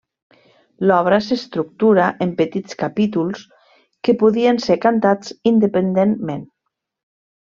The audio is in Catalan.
L'obra s'estructura en petits capítols que podien ser cantats independentment.